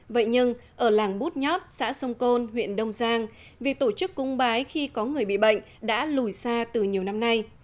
vậy nhưng ở làng bút nhót xã sông côn huyện đông giang việc tổ chức cúng bái khi có người bị bệnh đã lùi xa từ nhiều năm nay